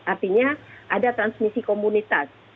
artinya ada transmisi komunitas